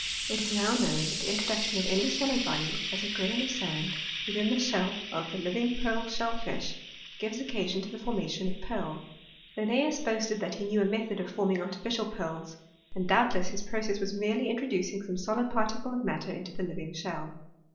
It is now known, that the introduction of any solid body, as a grain of 578 liisToliY OF Chemistry. sand, within the shell of the living pearl shellfish, gives occasion to the formation of pearl. Linnseus boasted that he knew a method of forming artificial pearls ; and doubtless his process was merely introducing some solid particle of matter into the living shell.